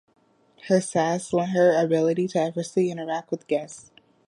Her sass lent her the ability to effortlessly interact with guests.